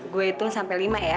gue hitung sampai lima ya